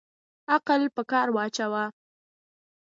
عقل په کار واچوه